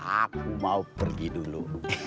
aku mau pergi dulu